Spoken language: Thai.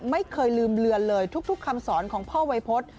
ไม่เคยลืมเลือนเลยทุกคำสอนของพ่อวัยพฤษ